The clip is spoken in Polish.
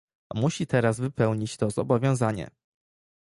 musi teraz wypełnić to zobowiązanie